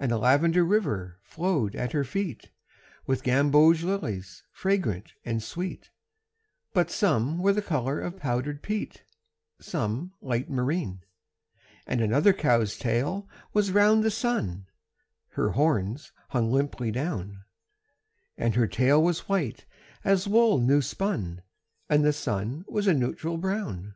And a lavender river flowed at her feet With gamboge lilies fragrant and sweet, But some were the color of powdered peat, Some light marine. And another cow's tail was round the sun (Her horns hung limply down); And her tail was white as wool new spun, And the sun was a neutral brown.